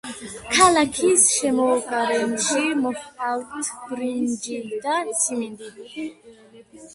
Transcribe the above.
ქალაქის შემოგარენში მოჰყავთ ბრინჯი და სიმინდი.